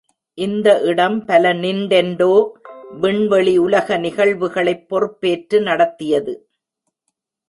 இந்த இடம் பல நிண்டெண்டோ விண்வெளி உலக நிகழ்வுகளைப் பொறுப்பேற்று நடத்தியது.